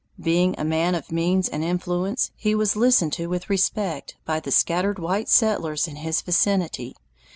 Being a man of means and influence, he was listened to with respect by the scattered white settlers in his vicinity.